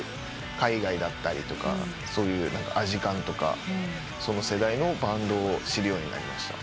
海外だったりアジカンとかその世代のバンドを知るようになりました。